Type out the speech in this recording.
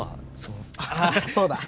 ああそうだ！